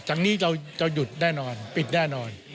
จากนี้เราจะหยุดแน่นอนปิดแน่นอน